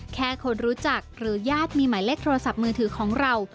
แค่คนรู้จักหรือญาติมีหมายเลขโทรศัพท์มือถือของเรา